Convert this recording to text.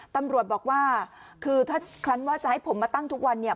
ตำรวจบอกว่าคือถ้าคลั้นว่าจะให้ผมมาตั้งทุกวันเนี่ย